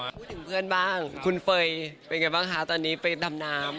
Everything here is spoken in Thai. พูดถึงเพื่อนบ้างคุณเฟย์เป็นไงบ้างคะตอนนี้ไปดำน้ำ